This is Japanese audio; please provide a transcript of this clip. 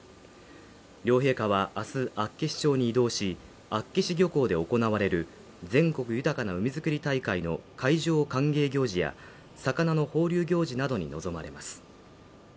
両陛下はあす厚岸町に移動し厚岸漁港で行われる全国豊かな海づくり大会の海上歓迎行事や魚の放流行事などに臨まれます